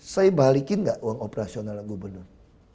saya balikin gak uang operasional yang gubernur